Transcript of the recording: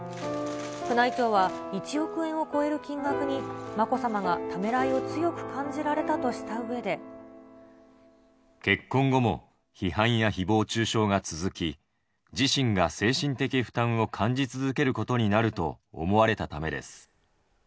宮内庁は１億円を超える金額にまこさまがためらいを強く感じられ結婚後も批判やひぼう中傷が続き、自身が精神的負担を感じ続けることになると思われたためです。